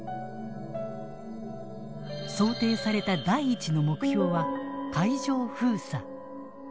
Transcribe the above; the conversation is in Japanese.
想定された第１の目標は海上封鎖。